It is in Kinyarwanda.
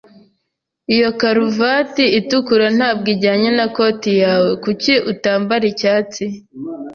Iyo karuvati itukura ntabwo ijyana na koti yawe. Kuki utambara icyatsi?